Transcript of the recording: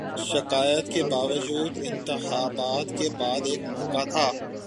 شکایات کے باوجود، انتخابات کے بعد ایک موقع تھا۔